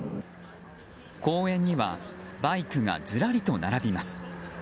公園にはバイクがずらりと並びます。